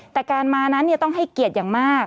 แต่การมานั้นต้องให้เกียรติอย่างมาก